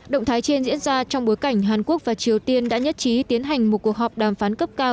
động thái trên diễn ra trong bối cảnh hàn quốc và triều tiên đã nhất trí tiến hành một cuộc họp đàm phán cấp cao